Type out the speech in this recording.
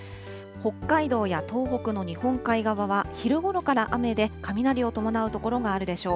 北海道や東北の日本海側は、昼ごろから雨で、雷を伴う所があるでしょう。